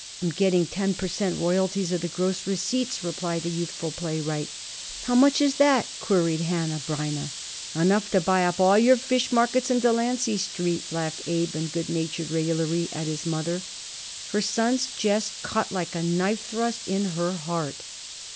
"I'm getting ten per cent. royalties of the gross receipts," replied the youthful playwright. "How much is that?" queried Hanneh Breineh. "Enough to buy up all your fish markets in Delancey Street," laughed Abe in good natured raillery at his mother. Her son's jest cut like a knife thrust in her heart.